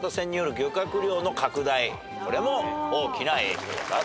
これも大きな影響だと。